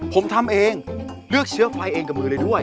ผมทำเองเลือกเชื้อไฟเองกับมือเลยด้วย